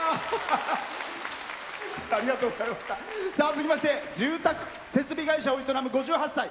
続きまして住宅設備会社を営む５８歳。